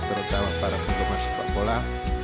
terutama para penggemar sepak bola